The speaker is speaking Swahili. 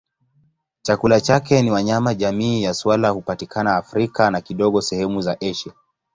Chakula chake ni wanyama jamii ya swala hupatikana Afrika na kidogo sehemu za Asia.